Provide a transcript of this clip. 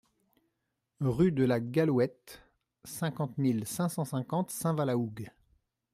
Rue de la Gallouette, cinquante mille cinq cent cinquante Saint-Vaast-la-Hougue